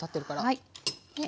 はい。